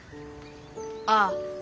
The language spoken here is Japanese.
ああ。